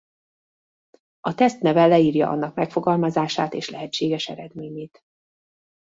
A teszt neve leírja annak megfogalmazását és lehetséges eredményét.